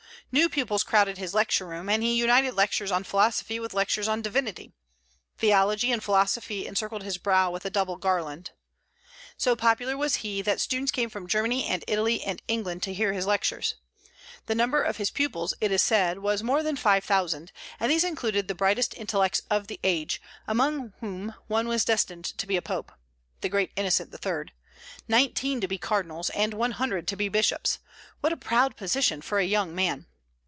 New pupils crowded his lecture room, and he united lectures on philosophy with lectures on divinity. "Theology and philosophy encircled his brow with a double garland." So popular was he, that students came from Germany and Italy and England to hear his lectures. The number of his pupils, it is said, was more than five thousand; and these included the brightest intellects of the age, among whom one was destined to be a pope (the great Innocent III.), nineteen to be cardinals, and one hundred to be bishops. What a proud position for a young man!